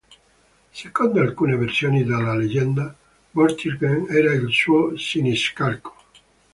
Secondo alcune versioni della leggenda, Vortigern era il suo siniscalco.